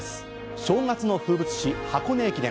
正月の風物詩、箱根駅伝。